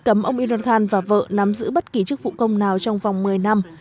cấm ông erdon khan và vợ nắm giữ bất kỳ chức vụ công nào trong vòng một mươi năm